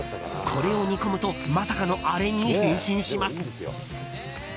これを煮込むとまさかのあれに変身します。